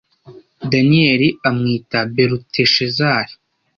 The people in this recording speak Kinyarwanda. Daniyeli amwita Beluteshazari